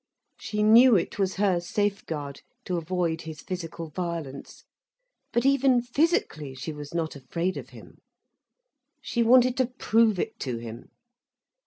She knew it was her safeguard to avoid his physical violence. But even physically she was not afraid of him. She wanted to prove it to him.